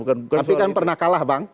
tapi kan pernah kalah bang